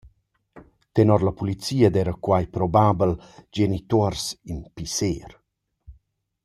Tenor la pulizia d’eira quai probabel «genituors in pisser».